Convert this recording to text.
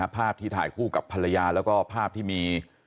ภาพที่ถ่ายคู่กับภรรยาแล้วก็ภาพที่มี